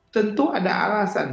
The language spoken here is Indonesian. tentu ada alasan